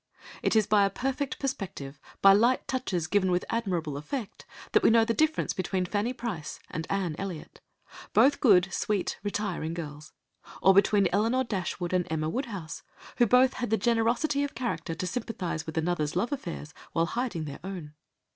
It is by a perfect perspective, by light touches given with admirable effect, that we know the difference between Fanny Price and Anne Elliot, both good, sweet, retiring girls; or between Elinor Dashwood and Emma Woodhouse, who both had the generosity of character to sympathise with another's love affairs while hiding their own.